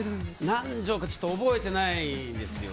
何城か覚えてないですよ。